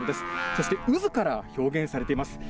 そして、渦から表現されています。